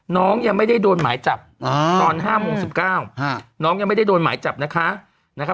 น้องยังไม่ได้โดนหมายจับตอน๕โมง๑๙น้องยังไม่ได้โดนหมายจับนะคะ